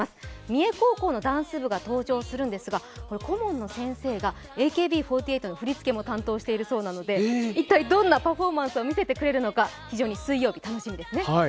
三重高校のダンス部が登場するんですが、顧問の先生がＡＫＢ４８の振りつけも担当しているそうなので、一体どんなパフォーマンスを見せてくれるのか非常に水曜日、楽しみですね。